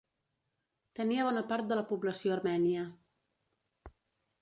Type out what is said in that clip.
Tenia bona part de la població armènia.